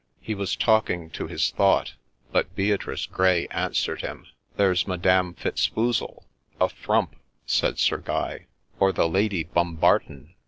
' He was talking to his thought, but Beatrice Grey answered him. ' There 's Madam Fitzfoozle.' ' A frump !' said Sir Guy. ' Or the Lady Bumbarton.'